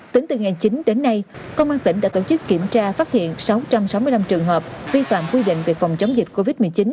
tính từ ngày chín đến nay công an tỉnh đã tổ chức kiểm tra phát hiện sáu trăm sáu mươi năm trường hợp vi phạm quy định về phòng chống dịch covid một mươi chín